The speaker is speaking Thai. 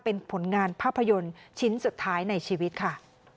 เป็นผลงานภาพยนตร์ชิ้นสุดท้ายในชีวิตค่ะ